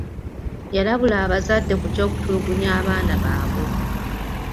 Yalabula abazadde ku ky'okutulugunya abaana baabwe.